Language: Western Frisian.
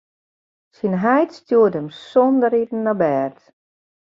Syn heit stjoerde him sûnder iten op bêd.